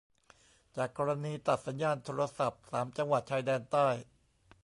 จากกรณีตัดสัญญาณโทรศัพท์สามจังหวัดชายแดนใต้